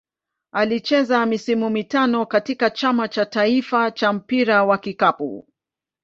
Alicheza misimu mitano katika Chama cha taifa cha mpira wa kikapu.